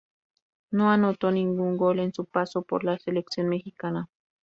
No anotó ningún gol en su paso por la selección mexicana.